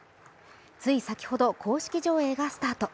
つい先ほど公式上映がスタート。